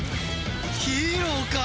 ヒーローか！？